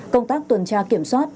công tác tuần tra kiểm soát